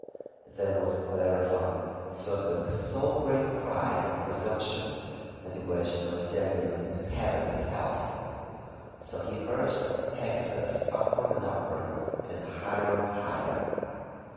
Then was Bellerophon filled with so great pride and presumption that he wished to ascend even to Heaven itself. So he urged Pegasus upward and upward, and higher and higher.